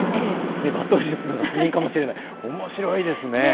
抜刀術の達人かもしれない、おもしろいですね。